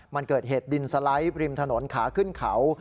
มันเกิดเหตุดินสไลด์ริมถนนขาขึ้นเขา